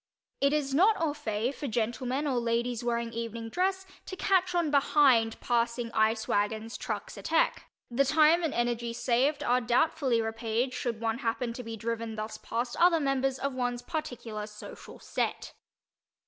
It is not au fait for gentlemen or ladies wearing evening dress to "catch on behind" passing ice wagons, trucks, etc.; the time and energy saved are doubtfully repaid should one happen to be driven thus past other members of one's particular social "set."